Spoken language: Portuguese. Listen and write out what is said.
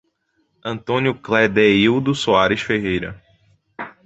Antônio Cledeildo Soares Ferreira